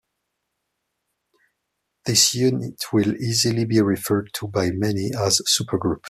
This unit will easily be referred to by many as a "Super Group".